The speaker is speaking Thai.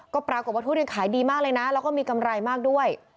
ก็ปรากฏว่าทุเรียนขายดีมากเลยนะแล้วก็มีกำไรมากด้วย